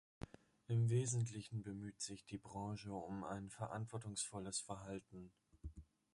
Im Wesentlichen bemüht sich die Branche um ein verantwortungsvolles Verhalten.